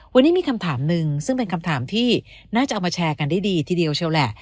วันนี้มีคำถามหนึ่งซึ่งเป็นคำถามที่น่าจะเอามาแชร์กันได้ดีทีเดียวเชียวแหละ